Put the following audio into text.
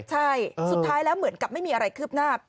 ใช่สุดท้ายแล้วเหมือนกับไม่มีอะไรคืบหน้า